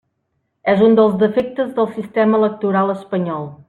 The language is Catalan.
És un dels defectes del sistema electoral espanyol.